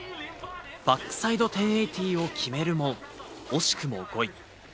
バックサイド１０８０を決めるも、惜しくも５位。